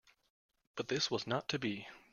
But this was not to be.